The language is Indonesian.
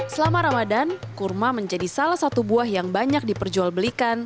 selama ramadan kurma menjadi salah satu buah yang banyak diperjualbelikan